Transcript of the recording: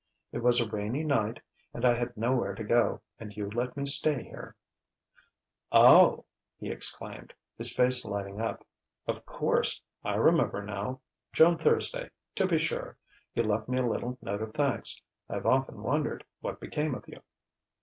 It was a rainy night, and I had nowhere to go, and you let me stay here " "Oh!" he exclaimed, his face lighting up. "Of course, I remember now. Joan Thursday to be sure! You left me a little note of thanks. I've often wondered what became of you."